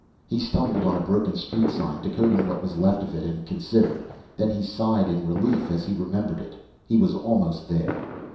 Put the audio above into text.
He stumbled on a broken street sign, decoding what was left of it, and considered. Then he sighed in relief. As he remembered it, he was almost there.